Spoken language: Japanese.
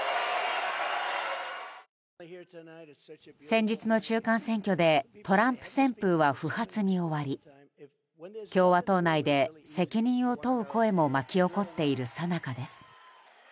先日の中間選挙でトランプ旋風は不発に終わり共和党内で責任を問う声も巻き起こっているさなかです。